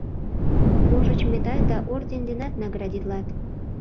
Можыч, медаль да орден денат наградитлат.